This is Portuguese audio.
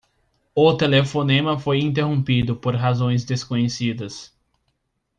O telefonema foi interrompido por razões desconhecidas.